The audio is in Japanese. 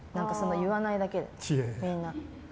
言わないだけで、みんな。